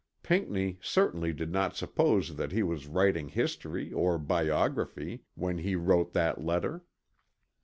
Pinckney certainly did not suppose that he was writing history or biography when he wrote that letter.